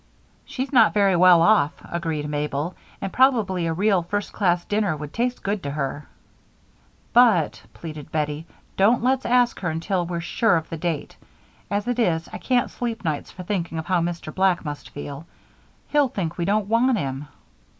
"She's not very well off," agreed Mabel, "and probably a real, first class dinner would taste good to her." "But," pleaded Bettie, "don't let's ask her until we're sure of the date. As it is, I can't sleep nights for thinking of how Mr. Black must feel. He'll think we don't want him."